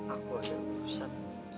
aku ada pusat